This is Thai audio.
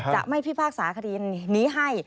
จะไม่พิพากษาคดีนี้ให้